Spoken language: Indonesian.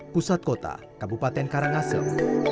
pusat kota kabupaten karangasem